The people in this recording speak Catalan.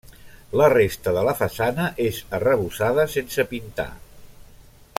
La resta de la façana és arrebossada sense pintar.